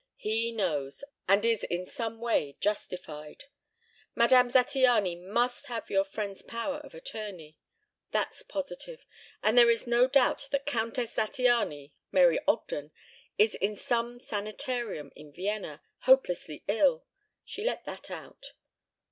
"He knows, and is in some way justified. Madame Zattiany must have your friend's power of attorney. That's positive. And there is no doubt that Countess Zattiany Mary Ogden is in some sanitarium in Vienna, hopelessly ill. She let that out."